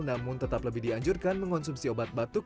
namun tetap lebih dianjurkan mengonsumsi obat batuk